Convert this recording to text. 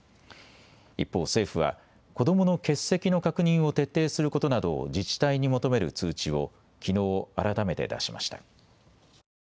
一方、政府は子どもの欠席の確認を徹底することなどを自治体に求める通知をきのう改めて出しました。